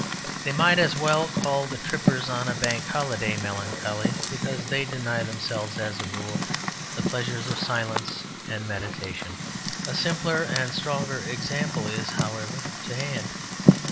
They might as well call the trippers on a Bank Holiday melancholy because they deny themselves, as a rule, the pleasures of silence and meditation. A simpler and stronger example is, however, to hand.